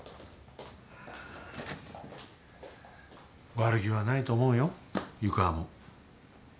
悪気はないと思うよ湯川も。